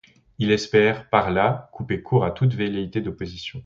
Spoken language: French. Il espère, par là, couper court à toute velléité d'opposition.